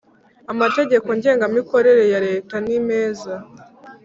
amategeko ngengamikorere ya leta nimeza